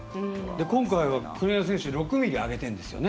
今回は、国枝選手６ｍｍあげてるんですよね。